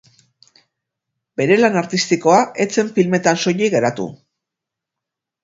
Bere lan artistikoa ez zen filmetan soilik geratu.